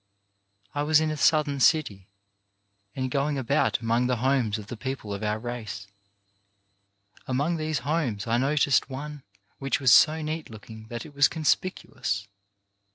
I was in a Southern city, and going about among 283 284 CHARACTER BUILDING the homes of the people of our race. Among these homes I noticed one which was so neat look ing that it was conspicuous.